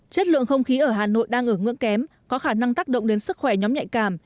chất lượng không khí ở hà nội đang ở ngưỡng kém có khả năng tác động đến sức khỏe nhóm nhạy cảm